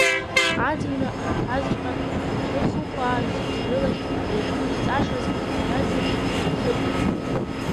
Аӡынра агәҭазҵәҟьа кәыдрыхықәаа зегьы рылахь еиқәызҵашаз агәырҩа ду рзыҟалеит.